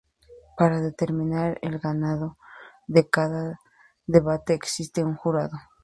Para determinar el ganador de cada debate existe un jurado.